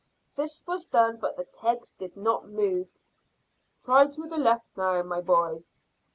This was done, but the kegs did not move. "Try to the left now, my boy."